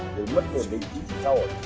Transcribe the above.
để mất hồn hình chính trị xã hội